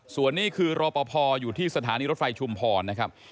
ส่วนนี้คือรปภอยู่ที่สถานีรถไฟชุมพร